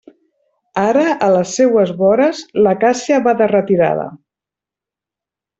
Ara a les seues vores l'acàcia va de retirada.